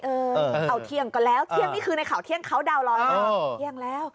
เอ้าเที่ยงก็แล้วนี่คือในข่าวเทียงเด้าร้อนแล้ว